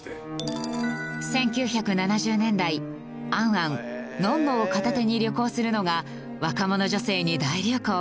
１９７０年代『ａｎ・ａｎ』『ｎｏｎ−ｎｏ』を片手に旅行するのが若者女性に大流行。